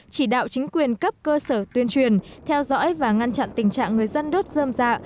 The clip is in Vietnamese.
chỉ đạo chính quyền cấp cơ sở tuyên truyền theo dõi và ngăn chặn tình trạng người dân đốt dơm dạ